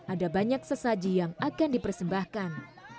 ada banyak sesaji yang akan dipersembahkan